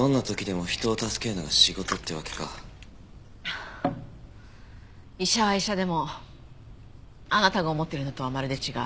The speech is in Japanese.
あ医者は医者でもあなたが思ってるのとはまるで違う。